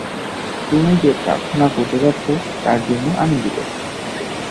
তুমি যে প্রার্থনা করতে যাচ্ছ, তার জন্য আনন্দিত।